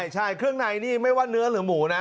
ใช่เครื่องในนี่ไม่ว่าเนื้อหรือหมูนะ